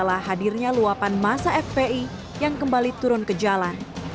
setelah hadirnya luapan masa fpi yang kembali turun ke jalan